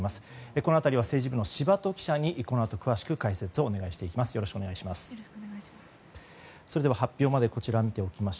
この辺りは政治部の柴戸記者にこのあと詳しく解説をお願いしていきます。